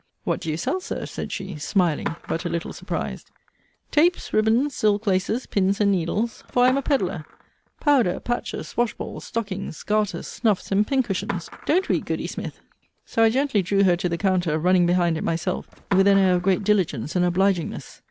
What do you sell, Sir? said she, smiling; but a little surprised. Tapes, ribbands, silk laces, pins, and needles; for I am a pedlar: powder, patches, wash balls, stockings, garters, snuffs, and pin cushions Don't we, goody Smith? So in I gently drew her to the compter, running behind it myself, with an air of great dilingence and obligingness.